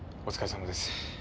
お疲れさまです。